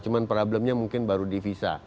cuma problemnya mungkin baru divisa